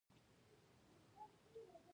راکټ د بشر ذهن ته تعظیم کوي